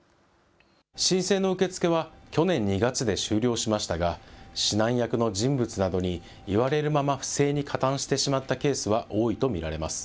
申請の受け付けは去年２月で終了しましたが、指南役の人物などに言われるまま不正に加担してしまったケースは多いと見られます。